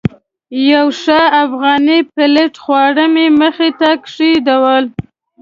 یو ښه افغاني پلیټ خواړه مې مخې ته کېښودل.